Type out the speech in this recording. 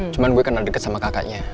cuma gue kenal deket sama kakaknya